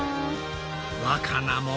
わかなも。